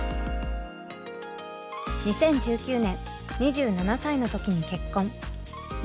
２０１９年２７歳の時に結婚。